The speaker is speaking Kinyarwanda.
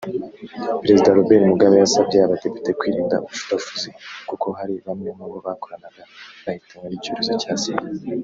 Perezida Robert Mugabe yasabye Abadepite kwirinda ubushurashuzi kuko hari bamwe mubo bakoranaga bahitanwe n’icyorezo cya Sida